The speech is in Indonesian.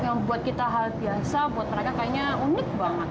yang buat kita hal biasa buat mereka kayaknya unik banget